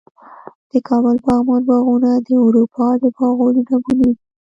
د کابل پغمان باغونه د اروپا د باغونو نمونې دي